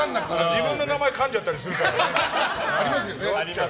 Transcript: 自分の名前かんじゃったりするからね。